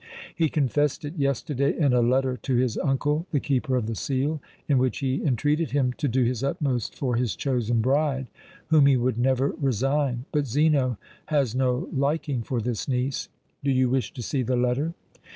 "He confessed it yesterday in a letter to his uncle, the Keeper of the Seal, in which he entreated him to do his utmost for his chosen bride, whom he would never resign. But Zeno has no liking for this niece. Do you wish to see the letter?"